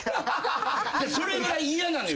それぐらい嫌なのよ